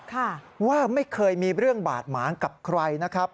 ค่ะว่าไม่เคยมีเรื่องบาดหมางกับใครนะครับ